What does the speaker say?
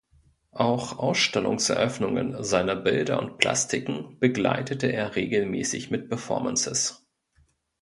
Auch Ausstellungseröffnungen seiner Bilder und Plastiken begleitete er regelmäßig mit Performances.